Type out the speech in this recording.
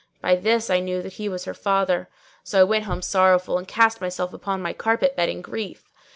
By this I knew that he was her father; so I went home sorrowful and cast myself upon my carpet bed in grief.